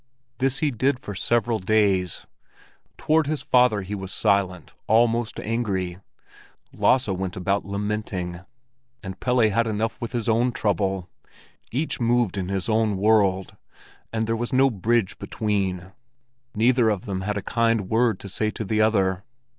This he did for several days. Toward his father he was silent, almost angry. Lasse went about lamenting, and Pelle had enough with his own trouble; each moved in his own world, and there was no bridge between; neither of them had a kind word to say to the other.